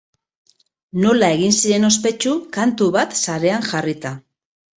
Nola egin ziren ospetsu, kantu bat sarean jarrita.